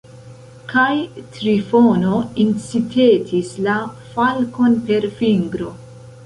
Kaj Trifono incitetis la falkon per fingro.